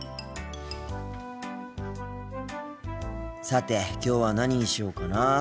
さてきょうは何にしようかなあ。